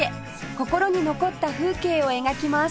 心に残った風景を描きます